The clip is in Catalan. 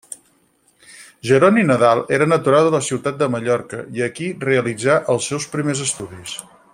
Jeroni Nadal era natural de Ciutat de Mallorca i aquí realitzà els seus primers estudis.